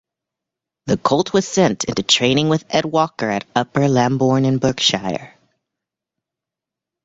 The colt was sent into training with Ed Walker at Upper Lambourn in Berkshire.